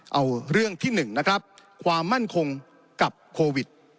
เอาเรื่องที่๑นะครับความมั่นคงกับโควิด